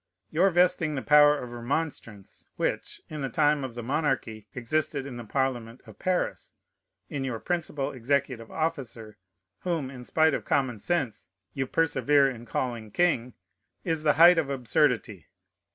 Your vesting the power of remonstrance, which, in the time of the monarchy, existed in the Parliament of Paris, in your principal executive officer, whom, in spite of common sense, you persevere in calling king, is the height of absurdity.